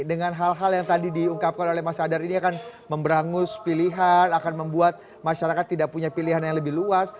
dengan hal hal yang tadi diungkapkan oleh mas adar ini akan memberangus pilihan akan membuat masyarakat tidak punya pilihan yang lebih luas